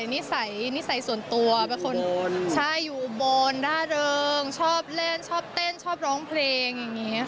นิสัยนิสัยส่วนตัวเป็นคนใช่อยู่อุบลร่าเริงชอบเล่นชอบเต้นชอบร้องเพลงอย่างนี้ค่ะ